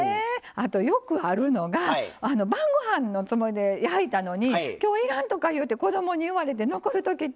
あとよくあるのが晩ごはんのつもりで焼いたのにきょういらんとかいうて子どもに言われて残るときってありますでしょ？